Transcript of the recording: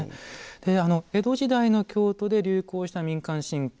江戸時代の京都で流行した民間信仰